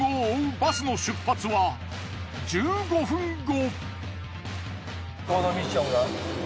バスの出発は１５分後。